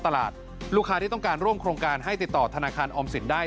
ลูกค้าที่ต้องการร่วมโครงการให้ติดต่อธนาคารออมสินได้